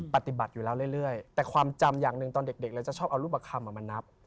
ปฏิบัติอยู่แล้วเรื่อยแต่ความจำอย่างหนึ่งตอนเด็กเราจะชอบเอารูปคำมานับ